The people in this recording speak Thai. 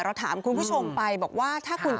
เราถามคุณผู้ชมไปบอกว่า